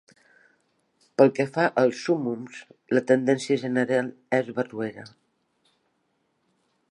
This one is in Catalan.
Pel que fa als súmmums, la tendència general és barroera.